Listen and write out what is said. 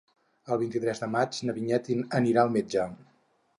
El vint-i-tres de maig na Vinyet anirà al metge.